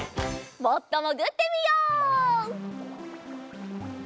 もっともぐってみよう。